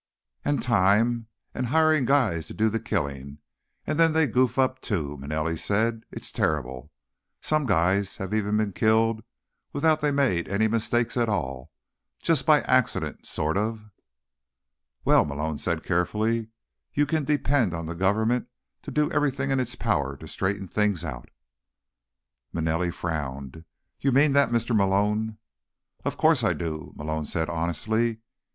"And time, and hiring guys to do the killing, and then they goof up, too," Manelli said. "It's terrible. Some guys have even been killed without they made any mistakes at all. Just by accident, sort of." "Well," Malone said carefully, "you can depend on the government to do everything in its power to straighten things out." Manelli frowned. "You mean that, Mr. Malone?" "Of course I do," Malone said honestly.